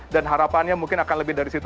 dan harapannya mungkin akan lebih dari situ